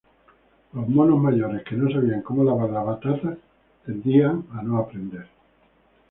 Los monos mayores que no sabían cómo lavar las batatas tendían a no aprender.